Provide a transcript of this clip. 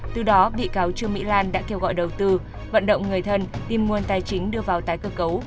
từ đó bị cáo trương mỹ lan đã kêu gọi đầu tư vận động người thân tìm nguồn tài chính đưa vào tái cơ cấu